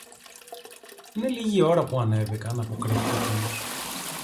Είναι λίγη ώρα που ανέβηκαν, αποκρίθηκε κείνος